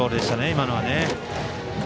今のは。